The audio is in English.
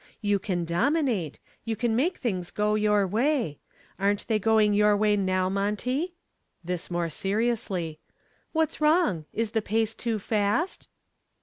You can dominate; you can make things go your way. Aren't they going your way now, Monty" this more seriously "What's wrong? Is the pace too fast?"